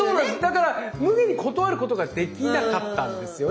だからむげに断ることができなかったんですよね。